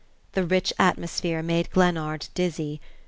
The rich atmosphere made Glennard dizzy.